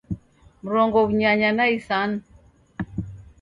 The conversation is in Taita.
Mrongo w'unyanya na isanu